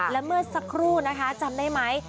และเมื่อสักครู่นะคะจำได้ไหม